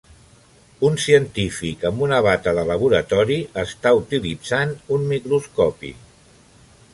Un científic amb una bata de laboratori està utilitzant un microscopi.